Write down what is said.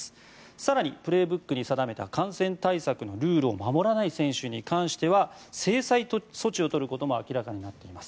更に、「プレーブック」に定めた感染対策のルールを守らない選手に関しては制裁措置を取ることも明らかになっています。